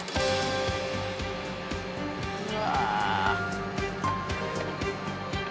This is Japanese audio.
うわ。